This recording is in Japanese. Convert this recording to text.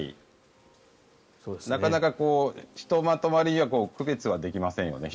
なかなかひとまとまりには区別ができないですよね。